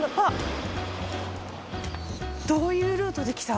どういうルートで来た？